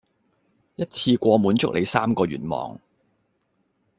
一次過滿足你三個願望